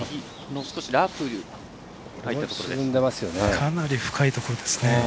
かなり深いところですね。